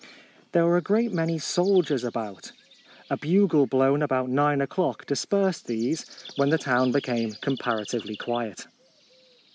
There were a great many soldiers about. A bugle blown about nine o'clock dispersed these, when the town became comparatively quiet.